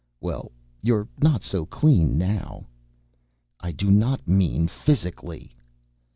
"Well you're not so clean now " "I do not mean physically."